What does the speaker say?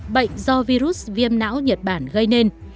bệnh do virus viêm não nhật bản gây nên